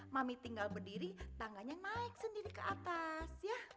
mami tinggal berdiri tangganya naik sendiri ke atas ya